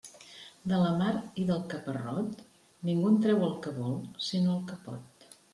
De la mar i del caparrot, ningú en treu el que vol, sinó el que pot.